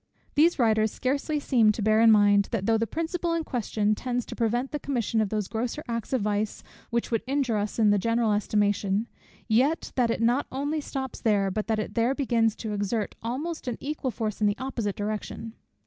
These writers scarcely seem to bear in mind, that though the principle in question tends to prevent the commission of those grosser acts of vice which would injure us in the general estimation; yet that it not only stops there, but that it there begins to exert almost an equal force in the opposite direction.